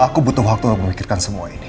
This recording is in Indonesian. bukutuh waktu memikirkan semua ini